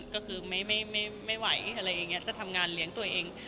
ก็คือไม่ไหวอะไรอย่างนี้จะทำงานเลี้ยงตัวเอง